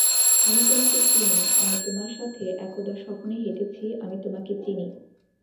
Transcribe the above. আমি তোমাকে চিনি আমি তোমার সাথে একদা স্বপ্নে হেঁটেছি আমি তোমাকে চিনি।